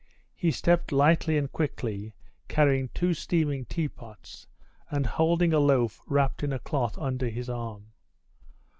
He stepped lightly and quickly, carrying two steaming teapots, and holding a loaf wrapped in a cloth under his arm.